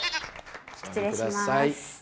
失礼します。